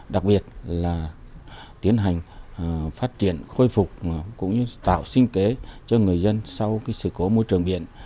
đặc biệt là tiến hành phát triển khôi phục cũng như tạo sinh kế cho người dân sau sự cố môi trường biển